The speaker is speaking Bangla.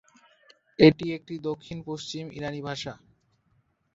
এটি একটি দক্ষিণ-পশ্চিম ইরানি ভাষা।